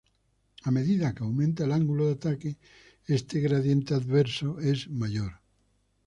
A medida que aumenta el ángulo de ataque este gradiente adverso es mayor.